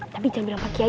tapi jangan bilang pak yai